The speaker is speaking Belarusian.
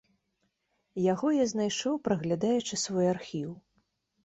Яго я знайшоў, праглядаючы свой архіў.